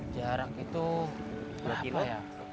jarak itu dua kilo